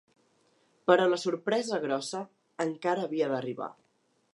Però la sorpresa grossa encara havia d’arribar.